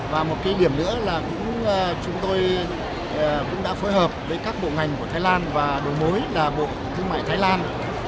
và một cái điểm nữa là chúng tôi cũng đã phối hợp với các bộ ngành của thái lan và đầu mối là bộ thương mại thái lan